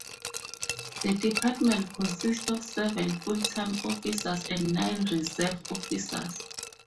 The Department consists of seven full-time officers and nine reserve officers.